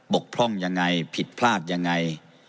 บกพร่องอย่างไรผิดพลาดอย่างไร